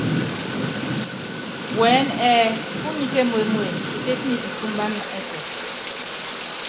Wɛɛ́nɛ ɛ́ɛ́ púnyi kémuémue, Kitétí nyi kisúmbána ɛtɔ.